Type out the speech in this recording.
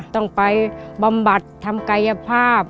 ต้องไปบำบัดทำกายภาพ